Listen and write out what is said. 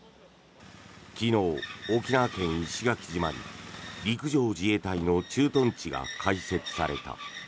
昨日、沖縄県・石垣島に陸上自衛隊の駐屯地が開設された。